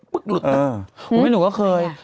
ปึ๊กหลุดล่ะอู๋แม่หนูก็เคย